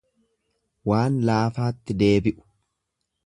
Waan laafaatti deddeebi'u.